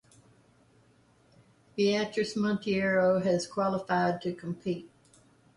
Beatriz Monteiro has qualified to compete.